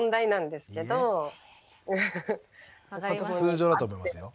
通常だと思いますよ。